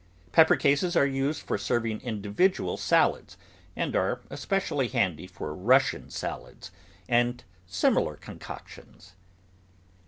Pepper cases are used for serving individual salads, and are especially handy for Russian salads and similar concotions.